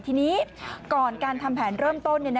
ทีนี้ก่อนการทำแผนเริ่มต้น